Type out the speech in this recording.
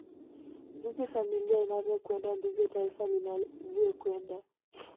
Jinsi familia inavyokwenda ndivyo taifa linavyokwenda